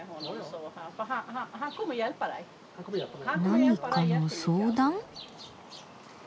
何かの相談？